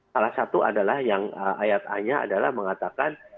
salah satu adalah yang ayat a nya adalah mengatakan